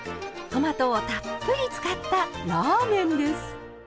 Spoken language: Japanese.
トマトをたっぷり使ったラーメンです。